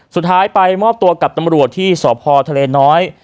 สุดท้ายไปมอบตัวกับตำรวจที่สพทะเลน้อย